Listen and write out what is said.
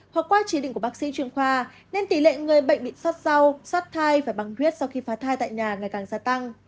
hoặc qua chí định của bác sĩ chuyên khoa nên tỷ lệ người bệnh bị sát sao sát thai và băng huyết sau khi phá thai tại nhà ngày càng gia tăng